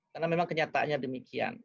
karena memang kenyataannya demikian